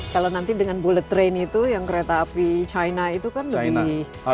kalau nanti dengan bullet train itu yang kereta api china itu kan lebih